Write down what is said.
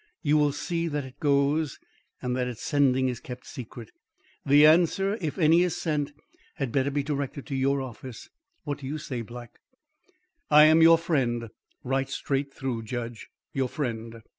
"You will see that it goes, and that its sending is kept secret. The answer, if any is sent, had better be directed to your office. What do you say, Black?" "I am your friend, right straight through, judge. Your friend."